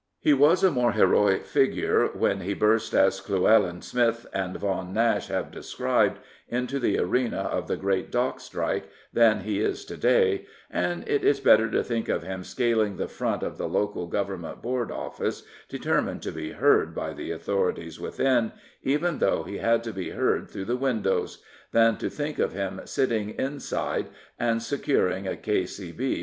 He was a more heroic figure when he burst, as Llewellyn Smith and Vaughan Nash have described, into the arena of the great Dock Strike than he is to day, and it is better to think of him scaling the front of the Local Government Board office, determined to be heard by the authorities within, even though he had to be heard through the windows, than to think of him sitting inside and securing a K.C.B.